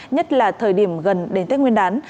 nhất là thời điểm gần đến tết nguyên đán